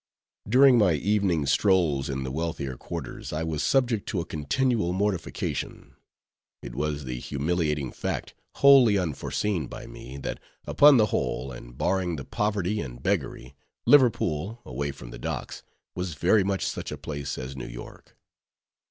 During my evening strolls in the wealthier quarters, I was subject to a continual mortification. It was the humiliating fact, wholly unforeseen by me, that upon the whole, and barring the poverty and beggary, Liverpool, away from the docks, was very much such a place as New York.